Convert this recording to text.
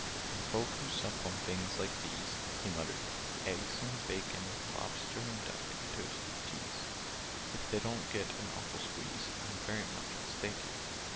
"And folk who sup on things like these—" He muttered, "eggs and bacon— Lobster—and duck—and toasted cheese— If they don't get an awful squeeze, I'm very much mistaken!